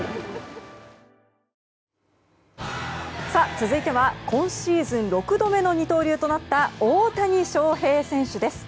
続いては今シーズン６度目の二刀流となった大谷翔平選手です。